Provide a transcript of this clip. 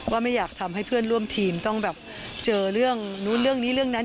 ไม่อยากทำให้เพื่อนร่วมทีมต้องแบบเจอเรื่องนู้นเรื่องนี้เรื่องนั้น